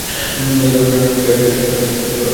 দলের প্রচারণায় বাভারিয়ার সর্বত্র ভ্রমণ করতে থাকেন।